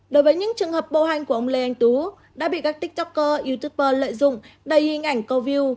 đối với những trường hợp bộ hành của ông lê anh tú đã bị các tiktoker youtuber lợi dụng đầy hình ảnh câu view